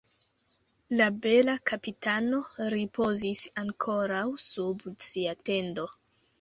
La bela kapitano ripozis ankoraŭ sub sia tendo.